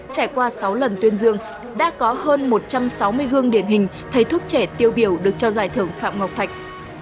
trải qua sáu lần tuyên dương đã có hơn một trăm sáu mươi gương điển hình thầy thuốc trẻ tiêu biểu được trao giải thưởng phạm ngọc thạch